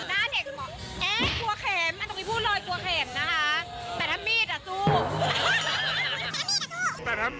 หน้าเด็กบอกเอ๊ะตัวเข็มเอาตรงนี้พูดเลยตัวเข็มนะคะ